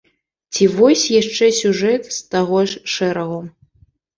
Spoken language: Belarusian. Ці вось яшчэ сюжэт з таго ж шэрагу.